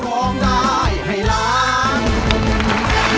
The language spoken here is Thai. ร้องได้ให้ล้าง